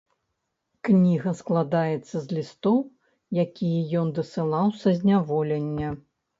Кніга складаецца з лістоў, якія ён дасылаў са зняволення.